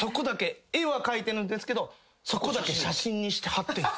絵は描いてるんですけどそこだけ写真にして貼ってんすよ。